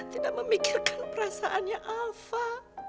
tidak memikirkan perasaannya alva